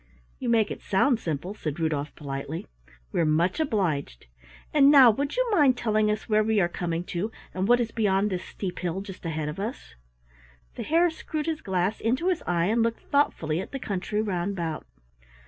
"You make it sound simple," said Rudolf politely. "We're much obliged. And now would you mind telling us where we are coming to, and what is beyond this steep hill just ahead of us?" The Hare screwed his glass into his eye and looked thoughtfully at the country round about.